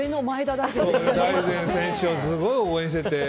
大然選手をすごい応援してて。